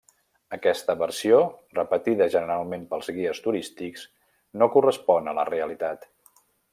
Aquesta versió, repetida generalment pels guies turístics, no correspon a la realitat.